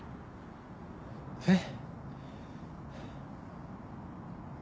えっ？